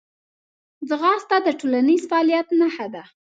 ځغاسته د ټولنیز فعالیت نښه ده